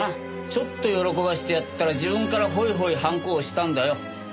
ちょっと喜ばせてやったら自分からホイホイハンコを押したんだよ。